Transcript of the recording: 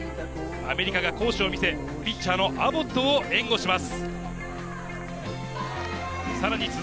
アメリカが好守を見せ、ピッチャーのアボットを援護します。